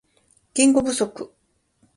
言語不足